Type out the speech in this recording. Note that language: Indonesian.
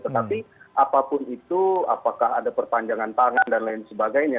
tetapi apapun itu apakah ada perpanjangan tangan dan lain sebagainya